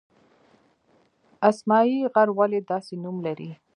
اسمايي غر ولې داسې نوم لري؟